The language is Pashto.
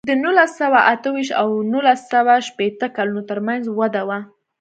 د نولس سوه اته ویشت او نولس سوه شپېته کلونو ترمنځ وده وه.